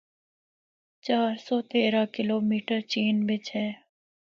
چار سو تیرہ کلومیٹر چین بچ ہے۔